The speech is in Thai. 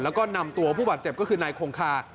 แล้วก็นำตัวผู้บาดเจ็บก็คือนายคงคา